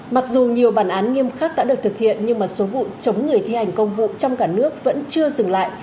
mặc dù nhiều bản án nghiêm khắc đã được thực hiện nhưng số vụ chống người thi hành công vụ trong cả nước vẫn chưa dừng lại